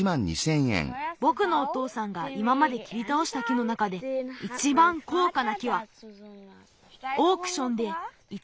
ぼくのおとうさんがいままできりたおした木の中でいちばんこうかな木はオークションで１